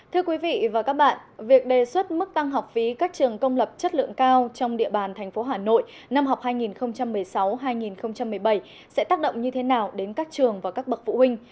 thưa quý vị và các bạn việc đề xuất mức tăng học phí các trường công lập chất lượng cao trong địa bàn thành phố hà nội năm học hai nghìn một mươi sáu hai nghìn một mươi bảy sẽ tác động như thế nào đến các trường và các bậc phụ huynh